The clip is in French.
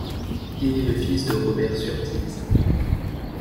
Il est le fils de Robert Surtees.